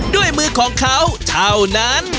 ด้วยมือของเขาเท่านั้น